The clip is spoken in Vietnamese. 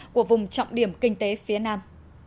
của vùng trọng điểm kinh tế phía nam